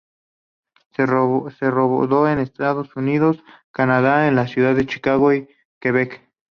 Se rodó entre Estados Unidos y Canadá, en las ciudades de Chicago y Quebec.